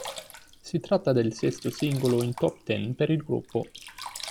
Si tratta del sesto singolo in top ten per il gruppo.